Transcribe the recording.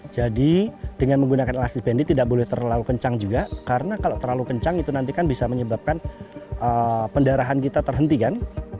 jadi dengan menggunakan elastis bandit tidak boleh terlalu kencang juga karena kalau terlalu kencang itu nanti kan bisa menyebabkan pendarahan kita terhenti kan